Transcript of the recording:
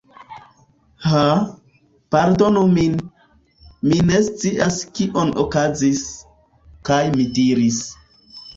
Haa... pardonu min... mi ne scias kio okazis. kaj mi diris: